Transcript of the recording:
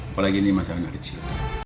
apalagi ini masalahnya kecil